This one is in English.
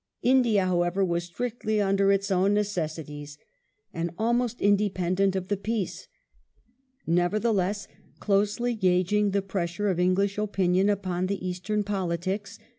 India, however, was strictly under its own necessities, and almost independent of the peace. Nevertheless, closely gauging the pressure of English opinion upon the Eastern politics.